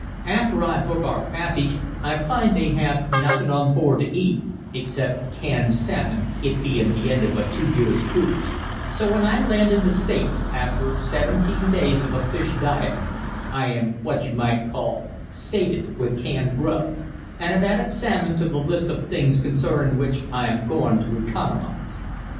After I book our passage, I find they have nothin' aboard to eat except canned salmon, it bein' the end of a two years' cruise, so when I land in the States after seventeen days of a fish diet, I am what you might call sated with canned grub, and have added salmon to the list of things concernin' which I am goin' to economize.